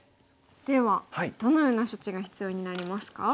ではどのような処置が必要になりますか？